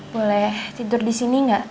boleh tidur disini gak